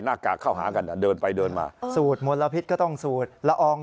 กากเข้าหากันอ่ะเดินไปเดินมาสูดมลพิษก็ต้องสูดละออง